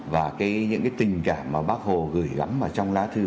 và những tình cảm mà bác hồ gửi gắm vào trong lá thư